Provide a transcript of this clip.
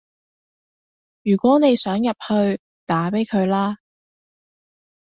如果你想入去，打畀佢啦